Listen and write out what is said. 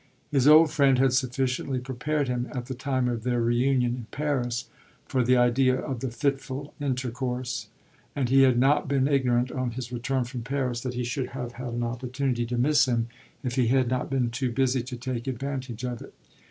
His old friend had sufficiently prepared him, at the time of their reunion in Paris, for the idea of the fitful in intercourse; and he had not been ignorant, on his return from Paris, that he should have had an opportunity to miss him if he had not been too busy to take advantage of it.